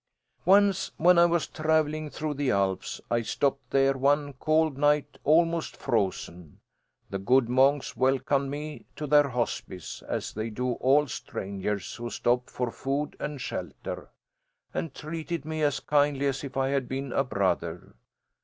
"Once, when I was travelling through the Alps, I stopped there one cold night, almost frozen. The good monks welcomed me to their hospice, as they do all strangers who stop for food and shelter, and treated me as kindly as if I had been a brother.